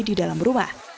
di dalam rumah